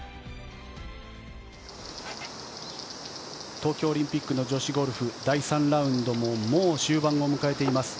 東京オリンピックの女子ゴルフ、第３ラウンドももう終盤を迎えています。